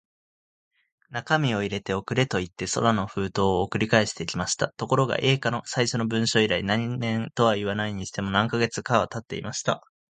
中身を入れて送れ、といって空の封筒を送り返してきました。ところが、Ａ 課の最初の文書以来、何年とはいわないにしても、何カ月かはたっていました。